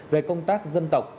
về công tác dân tộc